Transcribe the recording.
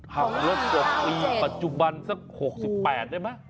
หัวแล้ว๖ปีปัจจุบันสัก๖๘ได้มั้ยหัวแล้ว๖ปีปัจจุบันสัก๖๘ได้มั้ย